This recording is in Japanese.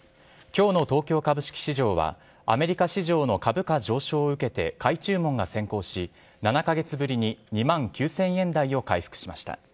今日の東京株式市場はアメリカ市場の株価上昇を受けて買い注文が先行し７カ月ぶりに２万９０００円台を回復しました。